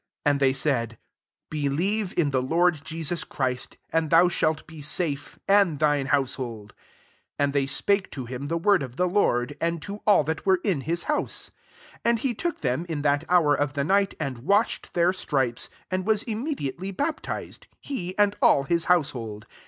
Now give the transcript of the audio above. "♦ 31 And they said, " Believe in the Lord 'Je sus Christ, and thou shalt be safe, and thine household." 32 And they spake to him the word of the Lord, and to all that were in his house. 33 And he took them, in that hour of the night, and washed their itripes; and was immediately baptized, he and all his house ioid.